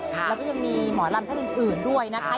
แล้วก็ยังมีหมอลำท่านอื่นด้วยนะคะ